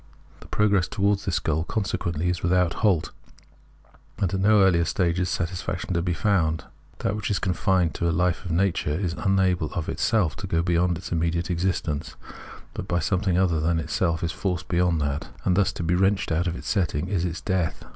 The progress towards this goal consequently is without a halt and at no earUer stage is satisfaction to be found. That which is confined to a life of nature is unable of itself to go beyond its immediate existence; but by something other than it self it is forced beyond that ; and to be thus wrenched out of its setting is its death.